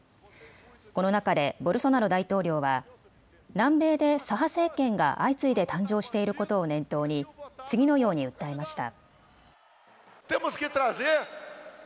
この中でボルソナロ大統領は南米で左派政権が相次いで誕生していることを念頭に次のように訴えました。